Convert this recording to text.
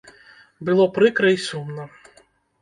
Было прыкра й сумна.